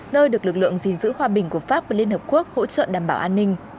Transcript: nơi được lực lượng gìn giữ hòa bình của pháp và liên hợp quốc hỗ trợ đảm bảo an ninh